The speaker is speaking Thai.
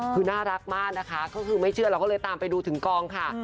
คือน่ารักมากนะคะก็คือไม่เชื่อเราก็เลยตามไปดูถึงกองค่ะ